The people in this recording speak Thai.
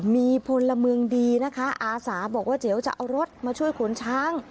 มีพลเมืองดีนะคะอาสาบอกว่าเดี๋ยวจะเอารถมาช่วยขนช้าง